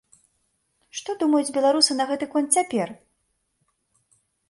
Што думаюць беларусы на гэты конт цяпер?